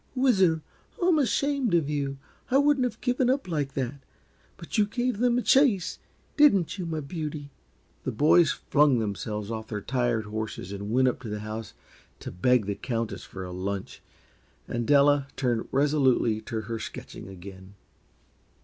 "Whizzer, I'm ashamed of you! I wouldn't have given in like that but you gave them a chase, didn't you, my beauty?" The boys flung themselves off their tired horses and went up to the house to beg the Countess for a lunch, and Della turned resolutely to her sketching again.